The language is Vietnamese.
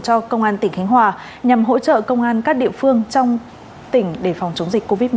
cho công an tỉnh khánh hòa nhằm hỗ trợ công an các địa phương trong tỉnh để phòng chống dịch covid một mươi chín